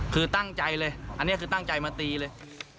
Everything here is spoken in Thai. คือตั้งใจเลยอันนี้คือตั้งใจมาตีเลย